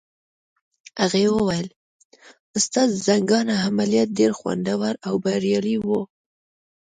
هغې وویل: ستا د زنګانه عملیات ډېر خوندور او بریالي وو.